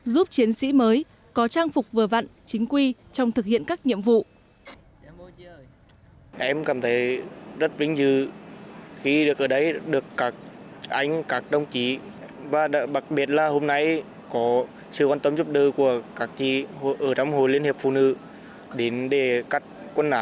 giúp chiến sĩ mới có trang phục vừa vặn chính quy trong thực hiện các nhiệm vụ